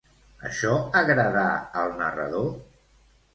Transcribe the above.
Això agradà al narrador?